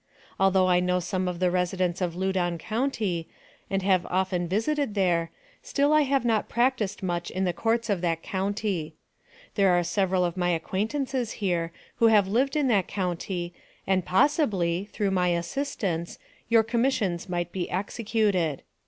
Although I know some of the residents of Loudon county, and have often visited there, still I have not practiced much in the Courts of that county. There are several of my acquaintances here, who have lived in that county, and possibly, through my assistance, your commissions might be executed.